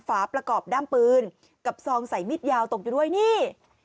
ฝาประกอบด้ามปืนกับซองใส่มิดยาวตกอยู่ด้วยนี่